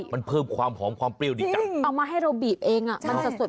มันเพิ่มความหอมความเปรี้ยวดีจังเอามาให้เราบีบเองอ่ะมันสดสด